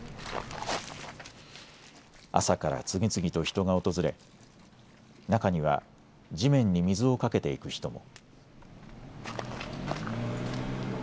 朝から次々と人が訪れ中には地面に水をかけていく人も。